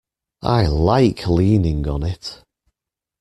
I like leaning on it.